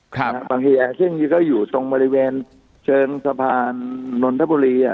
ครับบางแขยงเช่งนี้ก็อยู่ตรงบริเวณเชิงสะพานนทบุรีอ่ะ